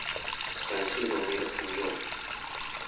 感謝抖內的朋友